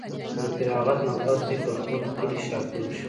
د فراغت نه پس دوي پۀ خپل کلي شاهپور کښې